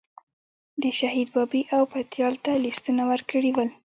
د شهید بابی او پتیال ته لیستونه ورکړي ول.